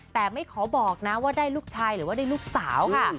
แต่ไม่ขอบอกนะว่าได้ลูกชายหรือว่าได้ลูกสาวค่ะ